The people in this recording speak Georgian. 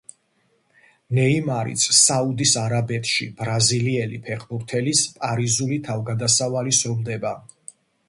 ნეიმარიც საუდის არაბეთში ბრაზილიელი ფეხბურთელის პარიზული თავგდასავალი სრულდება.